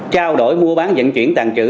trao đổi mua bán dẫn chuyển tàng trữ